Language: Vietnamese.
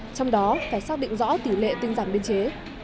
trong đó phải xác định rõ tỷ lệ tinh giảm biên chế